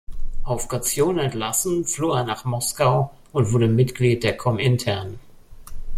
Auf Kaution entlassen, floh er nach Moskau und wurde Mitglied der Komintern.